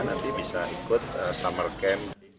nanti bisa ikut summer camp